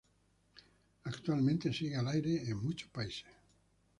Actualmente sigue al aire en muchos países.